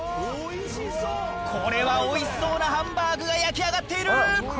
これはおいしそうなハンバーグが焼き上がっている！